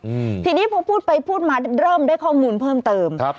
อืมทีนี้พอพูดไปพูดมาเริ่มได้ข้อมูลเพิ่มเติมครับ